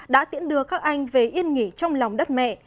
đã tiễn đưa các anh về yên nghỉ trong lòng đất mẹ